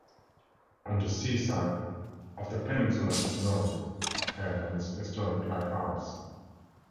On the sea side of the peninsula is Norah Head and its historic lighthouse.